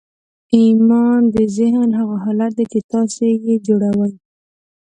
ایمان د ذهن هغه حالت دی چې تاسې یې جوړوئ